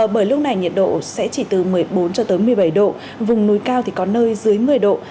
bởi lúc này nhiệt độ sẽ chỉ từ một mươi bốn một mươi bảy độ vùng núi cao thì có nơi dưới một mươi độ